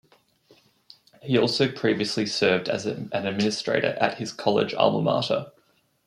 He had also previously served as an administrator at his college alma mater.